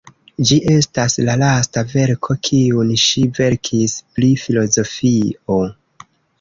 Ĝi estas la lasta verko kiun ŝi verkis pri filozofio.